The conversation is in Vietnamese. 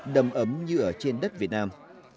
đầm ấm như ở trên đất việt nam